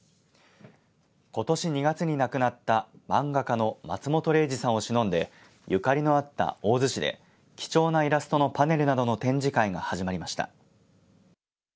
ことし２月に亡くなった漫画家の松本零士さんをしのんでゆかりのあった大洲市で貴重なイラストのパネルなどの展示会が始まりました。